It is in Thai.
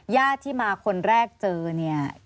ญาติที่มาคนแรกเจอเนี่ย